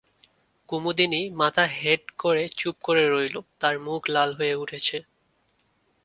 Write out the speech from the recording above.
কুমুদিনী মাথা হেঁট করে চুপ করে রইল, তার মুখ লাল হয়ে উঠেছে।